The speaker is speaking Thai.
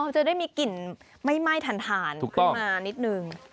จะได้มีกลิ่นไหม้ถ่านขึ้นมานิดนึง